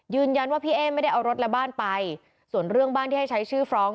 พี่เอ๊ไม่ได้เอารถและบ้านไปส่วนเรื่องบ้านที่ให้ใช้ชื่อฟร้อง